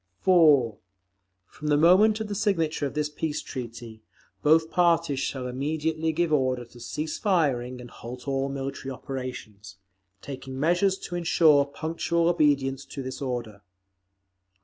4. From the moment of the signature of this peace treaty, both parties shall immediately give order to cease firing and halt all military operations, taking measures to ensure punctual obedience to this order.